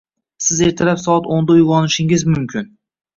Siz ertalab soat o'nda uygʻonishingiz mumkin